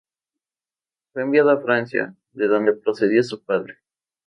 Fue enviado a Francia, de donde procedía su padre.